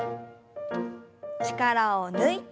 力を抜いて。